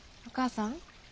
お母さん。